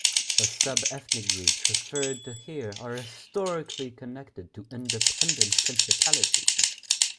The subethnic groups referred to here are historically connected to independent Principalities.